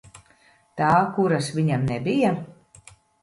Tā, kuras viņam nebija?